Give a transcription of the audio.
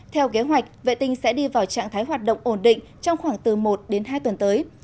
theo kế hoạch vệ tinh sẽ đi vào trạng thái hoạt động ổn định trong khoảng từ một đến hai tuần tới